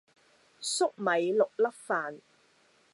栗米六粒飯